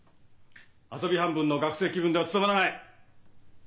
遊び半分の学生気分では務まらない。